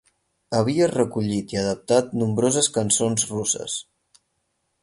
Havia recollit i adaptat nombroses cançons russes.